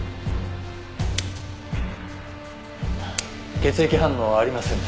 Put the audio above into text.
血液反応ありませんね。